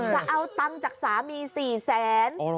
จะเอาตังค์จากสามี๔แสน